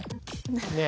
ねえ？